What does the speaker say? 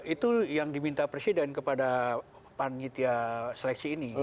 itu yang diminta presiden kepada pak nyitya seleksi ini